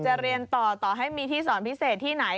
เรียนต่อต่อให้มีที่สอนพิเศษที่ไหน